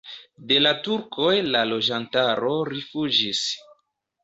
De la turkoj la loĝantaro rifuĝis.